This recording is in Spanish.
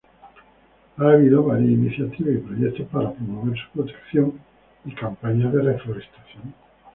Ha habido varias iniciativas y proyectos para promover su protección y campañas de reforestación.